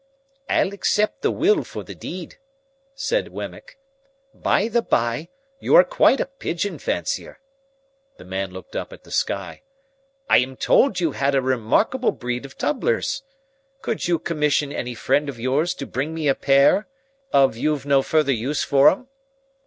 "I'll accept the will for the deed," said Wemmick. "By the by; you were quite a pigeon fancier." The man looked up at the sky. "I am told you had a remarkable breed of tumblers. Could you commission any friend of yours to bring me a pair, if you've no further use for 'em?"